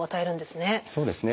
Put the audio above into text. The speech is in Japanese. そうですね。